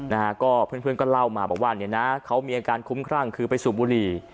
นะฮะก็เพื่อนเพื่อนก็เล่ามาบอกว่าเนี่ยนะเขามีอาการคุ้มครั่งคือไปสูบบุหรี่